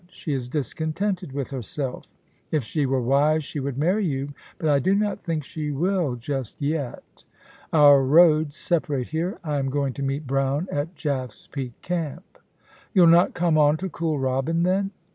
She is discontented with herself If she were wise she would marry you, but I do not think she will — ^just yet. Our roads separate here. I am going to meet Brown at Jaff's Peak Camp.' * You'll not come on to Kooralbyn, then